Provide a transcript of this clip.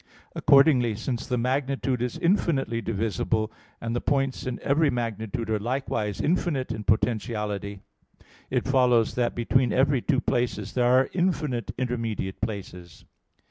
Accordingly, since magnitude is infinitely divisible and the points in every magnitude are likewise infinite in potentiality, it follows that between every two places there are infinite intermediate places.